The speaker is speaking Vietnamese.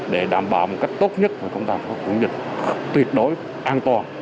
để đảm bảo một cách tốt nhất mà công tác có khủng dịch tuyệt đối an toàn